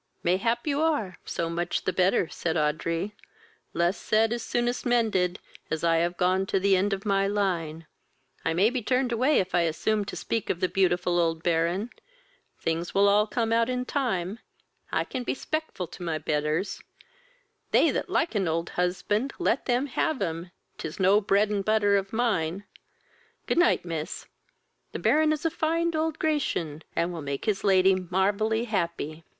"Mayhap you are; so much the better, (said Audrey.) Less said is soonest mended, as I have gone to the end of my line; I may be turned away if I assume to speak of the beautiful old Baron; things will all come out in time; I can be spectful to my betters: they that link an old husband let them have him; 'tis no bread and butter of mine. Good night, miss; the Baron is a fine old Gracian, and will make his lady marvelly happy."